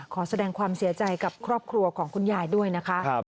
ขอแสดงความเสียใจกับครอบครัวของคุณยายด้วยนะคะ